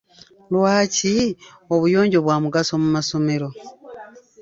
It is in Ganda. Lwaki obuyonjo bwa mugaso mu masomero?